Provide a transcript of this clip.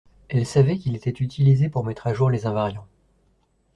Elle savait qu’il était utilisé pour mettre à jour les invariants